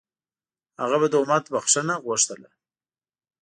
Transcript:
هغه به د امت بښنه غوښتله.